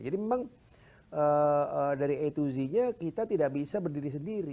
jadi memang dari a to z nya kita tidak bisa berdiri sendiri